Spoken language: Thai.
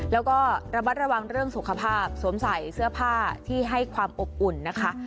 แล้วก็ระมัดระวังเรื่องสุขภาพสวมใส่เสื้อผ้าที่ให้ความอบอุ่นนะคะ